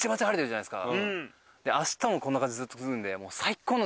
で明日もこんな感じでずっと続くんで。